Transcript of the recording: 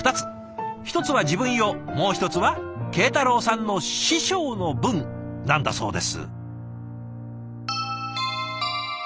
１つは自分用もう一つは慶太郎さんの師匠の分なんだそうです。